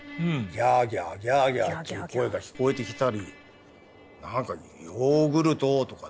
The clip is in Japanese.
ギャーギャーギャーギャーという声が聞こえてきたり何か「ヨーグルトー」とかって言ってる。